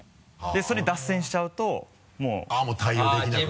それ脱線しちゃうともう。対応できないんだ。